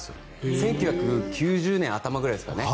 １９９０年頭ぐらいですかね。